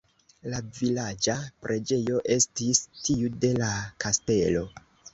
La vilaĝa preĝejo estis tiu de la kastelo.